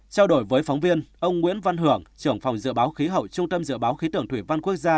trao đổi với phóng viên ông nguyễn văn hưởng trưởng phòng dự báo khí hậu trung tâm dự báo khí tượng thủy văn quốc gia